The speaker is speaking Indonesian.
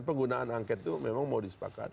penggunaan angket itu memang mau disepakati